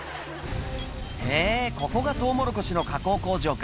「へぇここがトウモロコシの加工工場か」